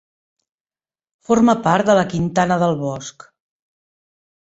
Forma part de la Quintana del Bosc.